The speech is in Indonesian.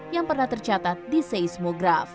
yang pernah tercatat di seismograf